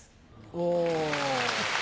お。